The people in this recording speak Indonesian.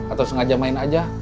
atau sengaja main aja